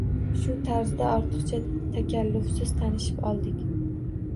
Shu tarzda ortiqcha takallufsiz tanishib oldik